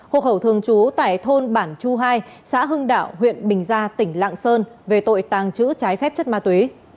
hộ khẩu thường trú tại thôn bản chu hai xã hưng đạo huyện bình gia tỉnh lạng sơn về tội tàng trữ trái phép chất ma túy